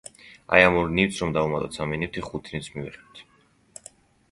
აი ამ ორ ნივთს რომ დავუმატოთ სამი ნივთი ხუთ ნივთს მივიღებთ.